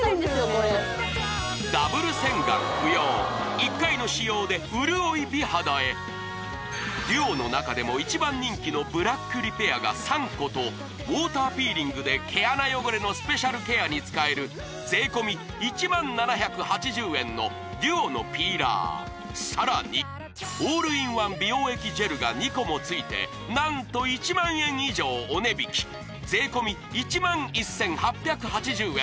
これダブル洗顔不要１回の使用で潤い美肌へＤＵＯの中でも一番人気のブラックリペアが３個とウォーターピーリングで毛穴汚れのスペシャルケアに使える税込１０７８０円のＤＵＯのピーラーさらにオールインワン美容液ジェルが２個もついて何と１万円以上お値引き税込１１８８０円